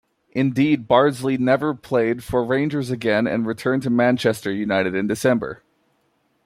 Indeed, Bardsley never played for Rangers again and returned to Manchester United in December.